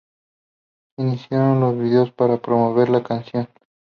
Se hicieron dos vídeos para promover la canción.